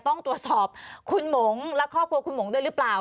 ต้องตรวจสอบคุณหมงและครอบครัวคุณหงด้วยหรือเปล่า